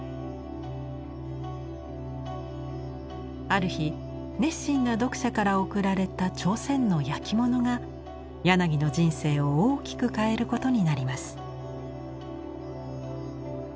ある日熱心な読者から贈られた朝鮮の焼き物が柳の人生を大きく変えることになります。